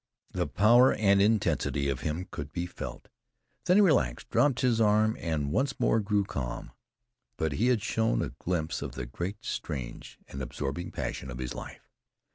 The power and intensity of him could be felt. Then he relaxed, dropped his arms, and once more grew calm. But he had shown a glimpse of the great, strange and absorbing passion of his life.